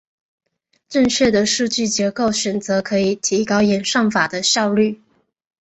正确的数据结构选择可以提高演算法的效率。